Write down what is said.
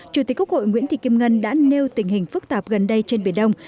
chủ tịch quốc hội nguyễn thị kim ngân đã nêu tình hình phức tạp gần đây trên biển đông